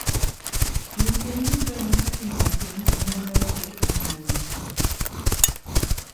Nintendo entró en esta generación con un nuevo enfoque con la Wii.